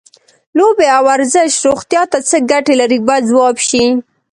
لوبې او ورزش روغتیا ته څه ګټې لري باید ځواب شي.